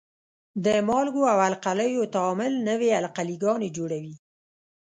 د مالګو او القلیو تعامل نوې القلي ګانې جوړوي.